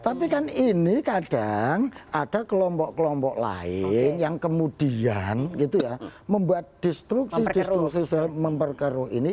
tapi kan ini kadang ada kelompok kelompok lain yang kemudian membuat distruksi distruksi sosial memperkeruh ini